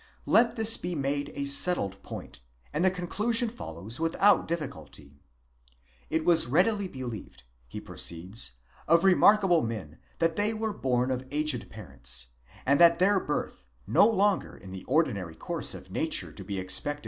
Let this be made a settled point, and the conclusion follows without difficulty. It was readily believed, he pro ceeds, of remarkable men that they were born of aged parents, and that their birth, no longer in the ordinary course of nature to be expected, was an 1 E.